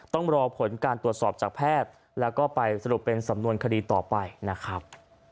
ต้องรอผลการตรวจสอบจากแพทย์แล้วก็ไปสรุปเป็นสำนวนคดีต่อไปนะครับ